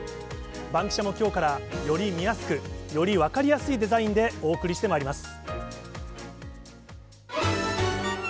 バンキシャもきょうからより見やすく、より分かりやすいデザインでお送りしてまいります。